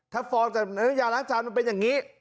ถ้าฟองจากเนื้อยาล้างจานมันเป็นอย่างนี้